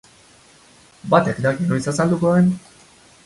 Batek daki noiz azalduko den!